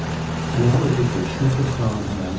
An hour later, Schmucke saw Mme.